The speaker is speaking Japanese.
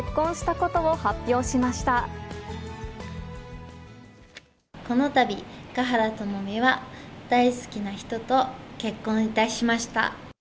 このたび、華原朋美は、大好きな人と結婚いたしました。